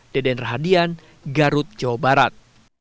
deden rahadian garut jawa barat